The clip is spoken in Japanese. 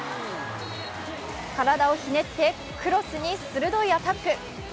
体をひねってクロスに鋭いアタック。